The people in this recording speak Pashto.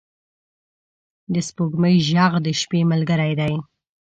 د سپوږمۍ ږغ د شپې ملګری دی.